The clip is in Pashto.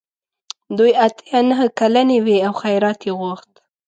دوی اته یا نهه کلنې وې او خیرات یې غوښت.